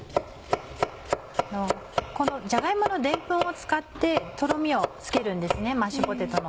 じゃが芋のでんぷんを使ってとろみをつけるんですねマッシュポテトの。